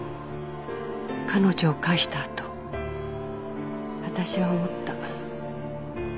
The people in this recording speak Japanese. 「彼女を帰した後私は思った」